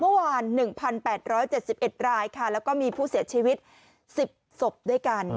เมื่อวานหนึ่งพันแปดร้อยเจ็ดสิบเอ็ดรายค่ะแล้วก็มีผู้เสียชีวิตสิบศพด้วยกัน